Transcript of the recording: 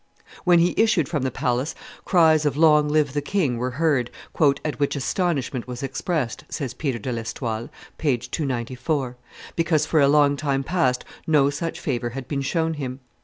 When he issued from the palace, cries of "Long live the king!" were heard; "at which astonishment was expressed," says Peter de l'Estoile (t. i. p. 294), "because for a long time past no such favor had been shown him.